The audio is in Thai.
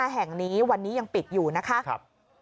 แห่งนี้วันนี้ยังปิดอยู่นะคะ